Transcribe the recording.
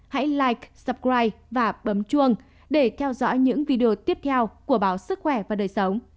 hãy live supride và bấm chuông để theo dõi những video tiếp theo của báo sức khỏe và đời sống